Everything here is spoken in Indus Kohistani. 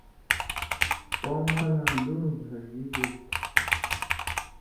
کؤں مالاں دُن٘ڑہۡ بھاݜژی گے کھیں